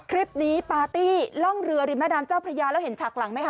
ปาร์ตี้ล่องเรือริมแม่น้ำเจ้าพระยาแล้วเห็นฉากหลังไหมค